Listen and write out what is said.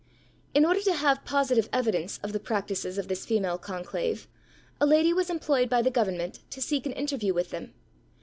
In order to have positive evidence of the practices of this female conclave, a lady was employed by the government to seek an interview with them.